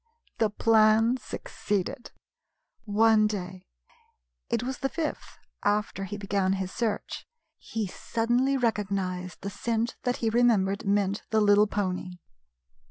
The plan succeeded. One day, it was the fifth after he began his search, he suddenly recognized the scent that he remembered meant the little pony.